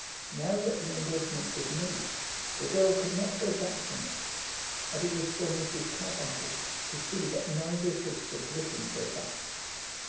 Now that the engagement was made, the girl could not go back from it, and it was for Mrs. Carbuncle to see that neither should Sir Griffin go back.